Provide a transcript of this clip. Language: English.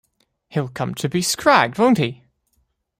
‘He’ll come to be scragged, won’t he?’